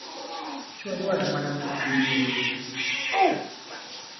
ช่วยด้วยมันยังดิบอยู่